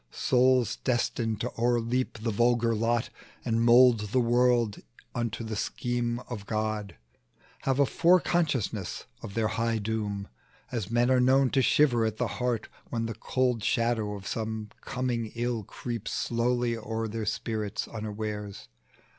Souls destined to o'erleap the vulgar lot, And mould the world unto the scheme of God, Have a fore consciousness of their high doom, As men are known to shiver at the heart, When the cold shadow of some coming ill Creeps slowly o'er their spirits unawares.